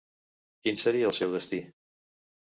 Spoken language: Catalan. Quin seria el seu destí?